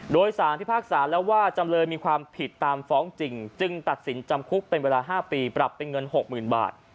โดยสารพิพากษาแล้วว่าจำเลยมีความผิดตามฟ้องจริงจึงตัดสินจำคุกเป็นเวลา๕ปีปรับเป็นเงิน๖๐๐๐บาท